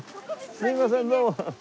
すいませんどうも。